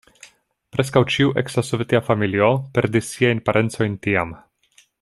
Preskaŭ ĉiu eksa sovetia familio perdis siajn parencojn tiam.